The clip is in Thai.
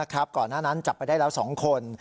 ก่อนหน้านั้นจับไปได้แล้ว๒คน